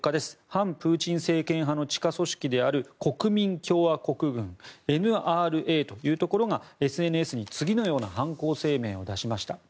反プーチン政権派の地下組織である国民共和国軍・ＮＲＡというところがＳＮＳに次のような犯行声明を出しました。